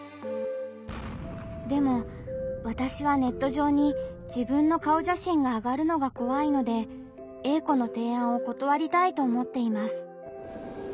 でもわたしはネット上に自分の顔写真があがるのが怖いのでＡ子の提案を断りたいと思っています。